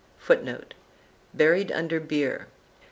[Footnote: Buried under beare.